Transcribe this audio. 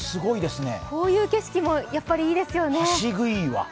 こういう景色もやっぱりいいですよね。